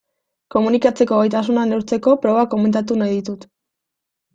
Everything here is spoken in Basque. Komunikatzeko gaitasuna neurtzeko proba komentatu nahi ditut.